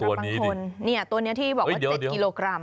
แต่บางคนตัวนี้ที่บอกว่า๗กิโลกรัม